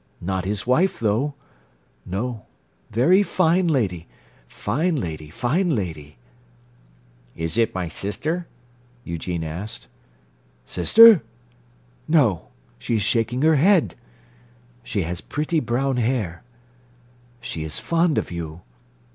Not his wife, though. No. Very fine lady! Fine lady, fine lady!" "Is it my sister?" Eugene asked. "Sister? No. She is shaking her head. She has pretty brown hair. She is fond of you.